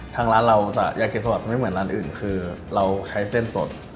ทางร้านเราจะยาเกษสวัสจะไม่เหมือนร้านอื่นคือเราใช้เส้นสด